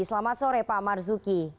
selamat sore pak marzuki